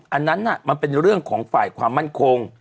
อันนั้นมันเป็นเรื่องของฝ่ายความมั่นคง